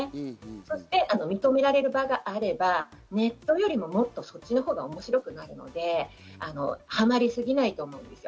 そして認められる場があればネットよりももっとそっちのほうが面白くなるので、はまりすぎないと思います。